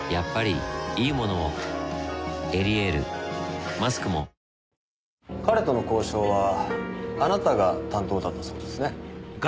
「エリエール」マスクも彼との交渉はあなたが担当だったそうですね？